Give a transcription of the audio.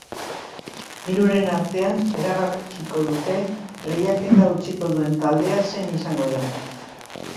Hiruren artean erabakiko dute lehiketa utziko duen taldea zein izango den.